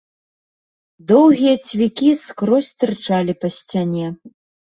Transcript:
Доўгія цвікі скрозь тырчалі па сцяне.